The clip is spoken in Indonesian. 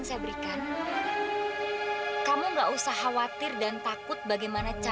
sampai jumpa di video selanjutnya